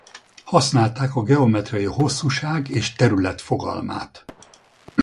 Használták a geometriai hosszúság és terület fogalmát.